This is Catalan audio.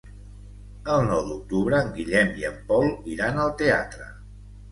El nou d'octubre en Guillem i en Pol iran al teatre.